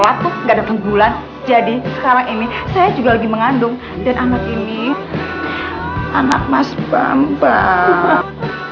aku gak ada penggulan jadi sekarang ini saya juga lagi mengandung dan anak ini anak mas bambang